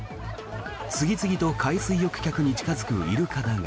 次々と海水浴客に近付くイルカだが。